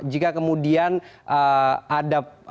jika kemudian ada masalah